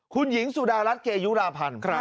คุณหญิงสุดารัฐเกยุราพันธ์